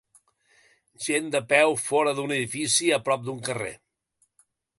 Gent de peu fora d'un edifici a prop d'un carrer.